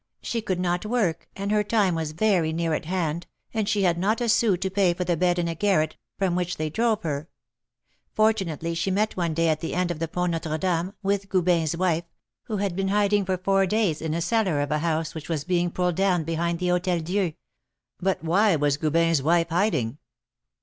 She could not work, and her time was very near at hand, and she had not a son to pay for the bed in a garret, from which they drove her. Fortunately, she met one day, at the end of the Pont Notre Dame, with Goubin's wife, who had been hiding for four days in a cellar of a house which was being pulled down behind the Hôtel Dieu " "But why was Goubin's wife hiding?"